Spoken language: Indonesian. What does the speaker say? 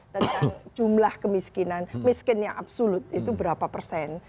tentang jumlah kemiskinan miskin yang absolut itu berapa persen